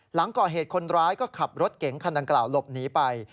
หลังก่อเหตุคนร้ายก็ขับรถเก๋งคันดังกล่าวหลบหนีไป